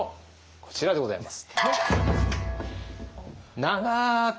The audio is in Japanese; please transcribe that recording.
こちらでございます。